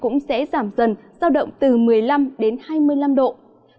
nhiệt độ của tỉnh thừa thiên huế cũng sẽ giảm dần giao động từ một mươi năm hai mươi năm độ